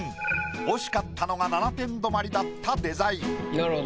惜しかったのが７点止まりだったデザイン。